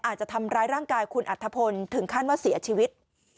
อาจจะทำร้ายร่างกายคุณอัธพลถึงขั้นว่าเสียชีวิต